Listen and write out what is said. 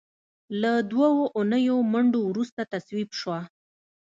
له دوو اونیو منډو وروسته تصویب شوه.